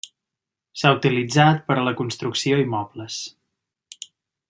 S'ha utilitzat per a la construcció i mobles.